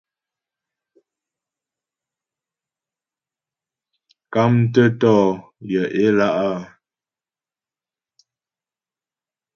Mkámtə́ tɔ̌ yaə̌ ě lá' a.